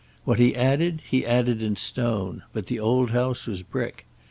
What he added he added in stone, but the old house was brick.